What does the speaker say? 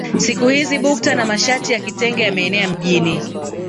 Siku hizi bukta na mashati ya kitenge yameenea mjini